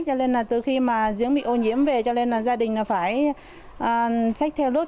cho nên là từ khi mà giếng bị ô nhiễm về cho nên là gia đình phải trách theo đốt